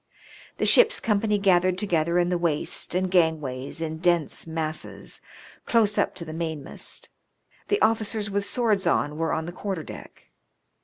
The ship's company gathered together in the waist and gangways in dense masses, close up to the mainmast. The officers with swords on were on the quarter deck.